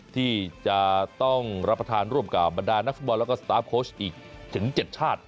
ที่จะต้องรับประทานร่วมกับบรรดานักฟุตบอลแล้วก็สตาร์ฟโค้ชอีกถึง๗ชาติ